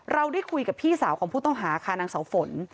เราได้คุยกับพี่สาวของผู้ต้องหาค่ะนางเสาฝน